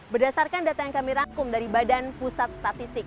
berdasarkan data yang kami rangkum dari badan pusat statistik